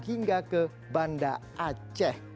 hingga ke banda aceh